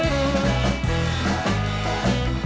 รับทราบ